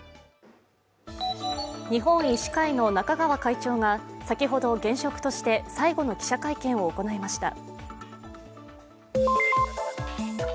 日本医師会の中川会長が先ほど現職として最後の記者会見を行いました。